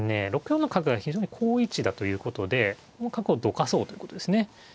６四の角が非常に好位置だということでこの角をどかそうということですね。